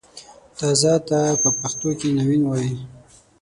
تازه ته په پښتو کښې نوين وايي